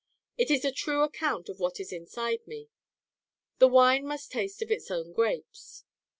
It is a true account of what is inside me. 'The wine must taste of its own grapes.